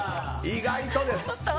意外とです。